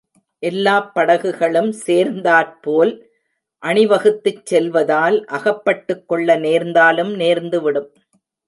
எல்லாப் படகுகளும் சேர்ந்தார்போல் அணிவகுத்துச் செல்வதால் அகப்பட்டுக் கொள்ள நேர்ந்தாலும் நேர்ந்துவிடும்.